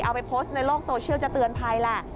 เอาไปโพสต์ในโลกโซเชียลจะเตือนภัยแหละ